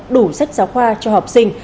đủ sách giáo khoa cho học sinh